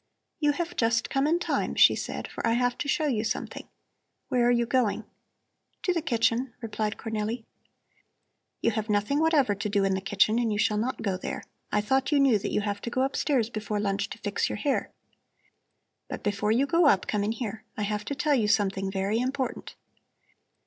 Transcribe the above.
"You have just come in time," she said, "for I have to show you something. Where are you going?" "To the kitchen," replied Cornelli. "You have nothing whatever to do in the kitchen and you shall not go there. I thought you knew that you have to go upstairs before lunch to fix your hair. But before you go up come in here. I have to tell you something very important."